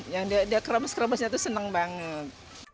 ya dia kerebas kerebasnya itu senang banget